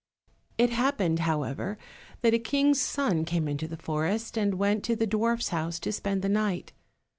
It happened, however, that a king's son came into the forest, and went to the dwarfs' house to spend the night.